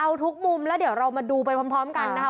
เอาทุกมุมแล้วเดี๋ยวเรามาดูไปพร้อมกันนะคะ